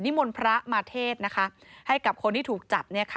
มนต์พระมาเทศให้กับคนที่ถูกจับ